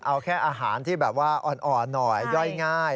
เอาแค่อาหารที่แบบว่าอ่อนหน่อยย่อยง่าย